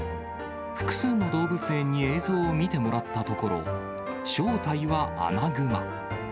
複数の動物園に映像を見てもらったところ、正体はアナグマ。